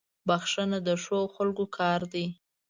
• بښنه د ښو خلکو کار دی.